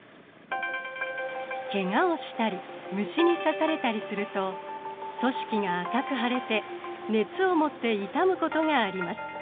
ケガをしたり虫に刺されたりすると組織が赤く腫れて熱を持って痛むことがあります。